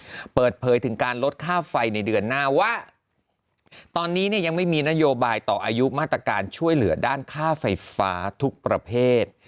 ก็เปิดเผยถึงการลดค่าไฟในเดือนหน้าว่าตอนนี้เนี่ยยังไม่มีนโยบายต่ออายุมาตรการช่วยเหลือด้านค่าไฟฟ้าทุกประเภท